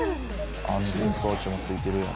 安全装置もついてるやん。